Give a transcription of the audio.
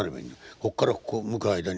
こっからここ向く間に。